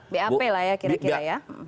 bap lah ya kira kira ya